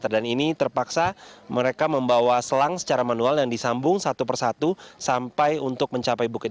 dan ini terpaksa mereka membawa selang secara manual yang disambung satu persatu sampai untuk mencapai bukit